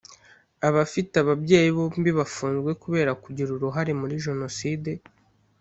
abafite ababyeyi bombi bafunzwe kubera kugira uruhare muri Jenoside